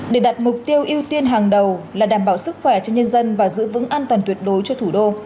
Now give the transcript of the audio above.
để đặt mục tiêu ưu tiên hàng đầu là đảm bảo sức khỏe cho nhân dân và giữ vững an toàn tuyệt đối cho thủ đô